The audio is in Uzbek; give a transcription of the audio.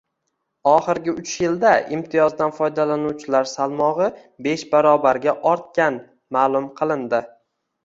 Oxirgiuchyilda imtiyozdan foydalanuvchilar salmog‘ibeshbarobarga ortgan ma’lum qilindi